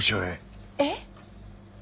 えっ？